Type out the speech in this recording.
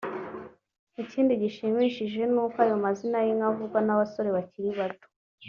Ikindi gishimishije ni uko ayo mazina y’inka avugwa n’abasore bakiri bato